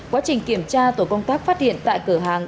quá trình kiểm tra tổ công tác phát hiện tại cửa hàng